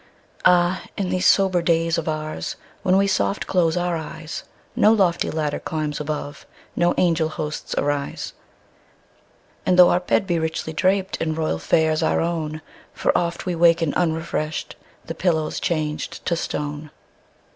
Ah, in these sober days of oursWhen we soft close our eyes, No lofty ladder climbs above, No angel hosts arise. And tho our bed be richly drapedAnd royal fares our own, For oft we waken unrefreshed—The pillow's changed to stone!